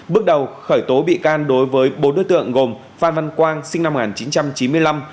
bước đầu khởi tố bị can đối với bốn đối tượng gồm phan văn quang sinh năm một nghìn chín trăm chín mươi năm